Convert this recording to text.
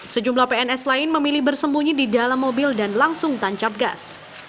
sejumlah pns lain memilih bersembunyi di dalam mobil dan langsung tancap gas